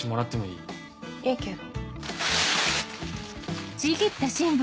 いいけど。